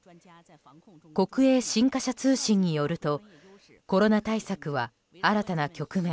国営新華社通信によるとコロナ対策は新たな局面